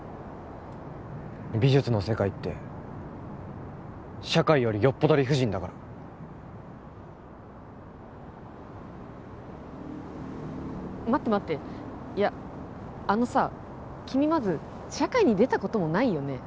美術の世界って社会よりよっぽど理不尽だから待って待っていやあのさ君まず社会に出たこともないよね？